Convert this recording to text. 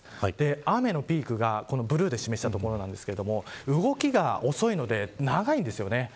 雨のピークがブルーで示したところなんですが動きが遅いので長いんですよね。